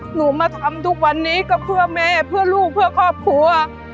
หนูมาทำทุกวันนี้ก็เพื่อแม่เพื่อลูกเพื่อครอบครัว